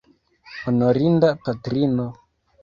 Honorinda patrino!